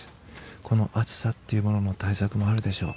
この暑さというものの対策もあるでしょう。